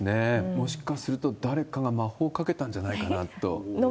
もしかすると、誰かが魔法かけたんじゃないかなと。